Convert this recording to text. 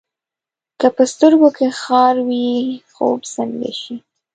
که په سترګو کې خار وي، خوب څنګه شي؟